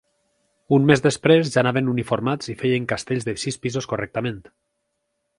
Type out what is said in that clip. Un mes després ja anaven uniformats i feien castells de sis pisos correctament.